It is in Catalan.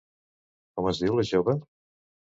Com es diu la jove?